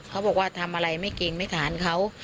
เขาบอกว่าทำอะไรไม่เก่งไม่ทานเขา